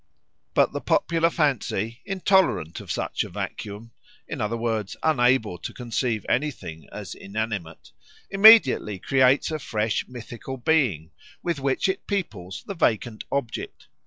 But the popular fancy, intolerant of such a vacuum, in other words, unable to conceive anything as inanimate, immediately creates a fresh mythical being, with which it peoples the vacant object.